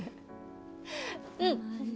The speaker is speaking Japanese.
うん！